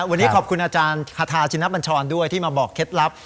วันนี้ขอบคุณอาจารย์คาทาชินบัญชรด้วยที่มาบอกเคล็ดลับ